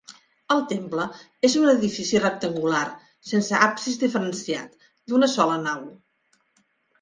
El temple és un edifici rectangular, sense absis diferenciat, d'una sola nau.